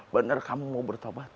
benar kamu mau bertobat